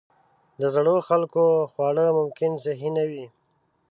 د زړو خلکو خواړه ممکن صحي نه وي.